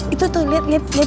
itu tuh liat liat